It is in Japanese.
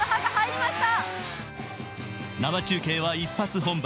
生中継は一発本番。